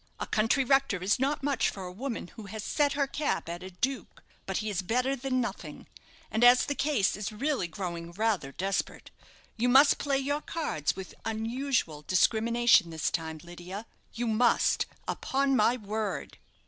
A country rector is not much for a woman who has set her cap at a duke, but he is better than nothing; and as the case is really growing rather desperate, you must play your cards with unusual discrimination this time, Lydia. You must, upon my word."